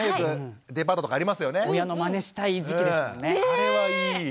あれはいい。